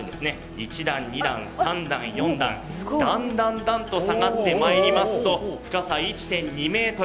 １段４段とだんだんだんと下がってまいりますと深さ１．２ｍ。